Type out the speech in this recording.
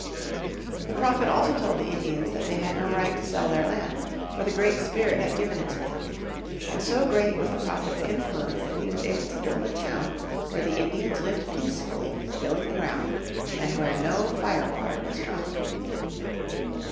The Prophet also told the Indians that they had no right to sell their land, for the Great Spirit had given it to them. And so great was the Prophet's influence that he was able to build a town where the Indians lived peacefully tilling the ground, and where no "fire water' was drunk.